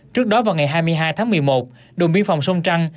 trước đó vào ngày hai mươi hai tháng một mươi một đồn biên phòng sông trăng